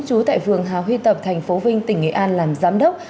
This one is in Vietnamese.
chú tại phường hà huy tập thành phố vinh tỉnh nghệ an làm giám đốc